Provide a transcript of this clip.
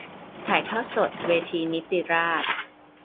ถ่ายทอดสดเวทีนิติราษฎร์